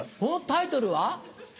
タイトルは？